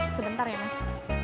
sebentar ya mas